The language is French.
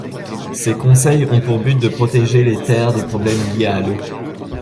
Ces conseils ont pour but de protéger les terres des problèmes liés à l'eau.